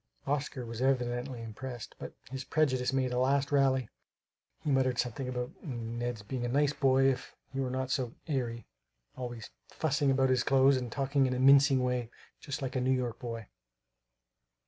Oscar was evidently impressed. But his prejudice made a last rally. He muttered something about Ned's being a nice boy if he were not so "airy;" always "fussing about his clothes and talking in a mincing way just like a New York boy."